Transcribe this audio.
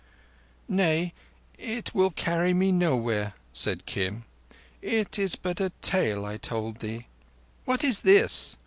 "Nay, it will carry me nowhere," said Kim. "It is but a tale I told thee." "What is this?"